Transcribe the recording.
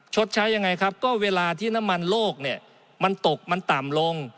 ชดใช้ยังไงครับก็เวลาที่น้ำมันโลกเนี่ยมันตกมันต่ำลง